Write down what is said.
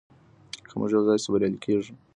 که موږ يو ځای سو بريالي کيږو.